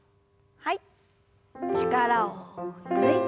はい。